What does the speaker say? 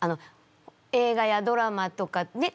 映画やドラマとかねっ？